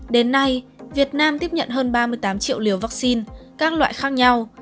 đến nay việt nam tiếp nhận hơn ba mươi tám triệu liều vaccine các loại khác nhau